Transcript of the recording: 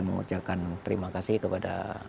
mengucapkan terima kasih kepada